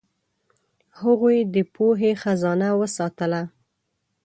هغوی د پوهې خزانه وساتله.